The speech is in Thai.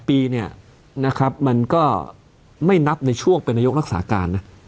ปีเนี่ยนะครับมันก็ไม่นับในช่วงเป็นนายกรักษาการนะ